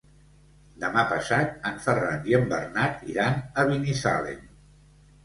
Demà passat en Ferran i en Bernat iran a Binissalem.